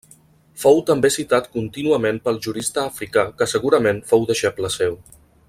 Fou també citat contínuament pel jurista Africà que segurament fou deixeble seu.